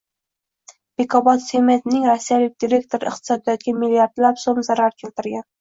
“Bekobodsement”ning rossiyalik direktori iqtisodiyotga milliardlab so‘m zarar keltirgan